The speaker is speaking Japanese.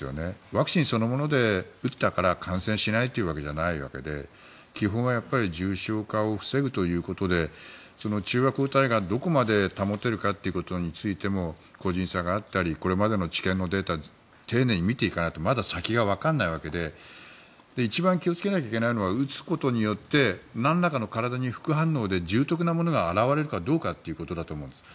ワクチンそのもので打ったから感染しないわけではないので基本は重症化を防ぐということで中和抗体がどこまで保てるかということについても個人差があったりこれまでの治験のデータを丁寧に見ていかないとまだ先がわからないわけで一番気をつけないといけないのは打つことによってなんらかの体に副反応で重篤なものが表れるかどうかということだと思うんです。